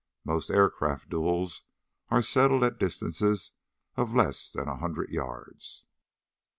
Most aircraft duels are settled at distances of less than a hundred yards.